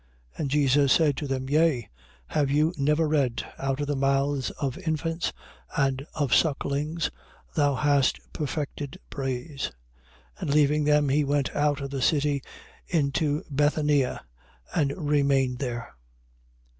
And Jesus said to them: Yea, have you never read: Out of the mouth of infants and of sucklings thou hast perfected praise? 21:17. And leaving them, he went out of the city into Bethania and remained here.